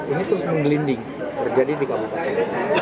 ini terus menggelinding terjadi di kabupaten